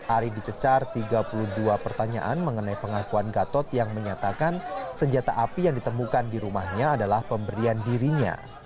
ari dicecar tiga puluh dua pertanyaan mengenai pengakuan gatot yang menyatakan senjata api yang ditemukan di rumahnya adalah pemberian dirinya